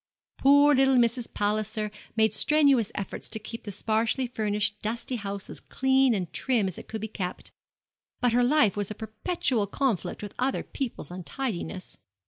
Poor little Mrs. Palliser made strenuous efforts to keep the sparsely furnished dusty house as clean and trim as it could be kept; but her life was a perpetual conflict with other people's untidiness.